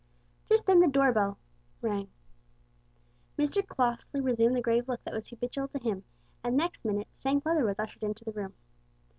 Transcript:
Just then the door bell rang. Mr Crossley resumed the grave look that was habitual to hint and next minute Shank Leather was ushered into the room.